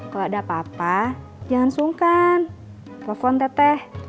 kalo ada apa apa jangan sungkan telepon teh teh